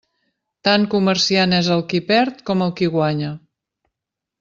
Tan comerciant és el qui perd com el qui guanya.